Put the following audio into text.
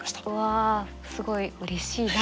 うわすごいうれしい。